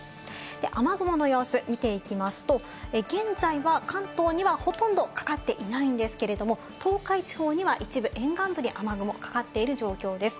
雨雲の様子を見ていきますと、現在は関東にはほとんどかかっていないんですけれども、東海地方には一部、沿岸部で雨雲がかかっている状況です。